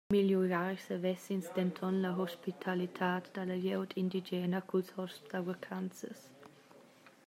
Migliurar savess ins denton la hospitalitad dalla glieud indigena culs hosps da vacanzas.